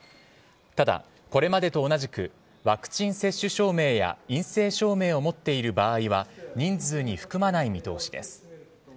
ただ、これまでと同じくワクチン接種証明や陰性証明を持っている場合は人数に含まない見通しです。